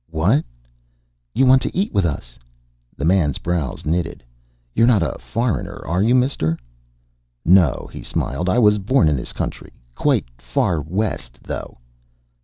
"What?" "You want to eat with us?" The man's brows knitted. "You're not a foreigner, are you, mister?" "No." He smiled. "I was born in this country. Quite far west, though."